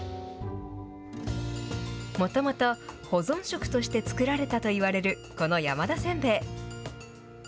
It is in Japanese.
もともと保存食として作られたといわれる、この山田せんべい。